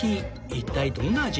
一体どんな味？